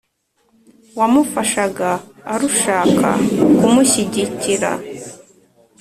wamufashaga arshaka kumushyigikira.